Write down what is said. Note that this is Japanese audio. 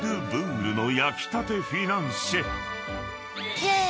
イェーイ！